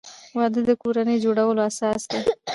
وادۀ د کورنۍ جوړولو اساس دی.